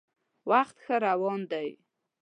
وخت ښه روان دی.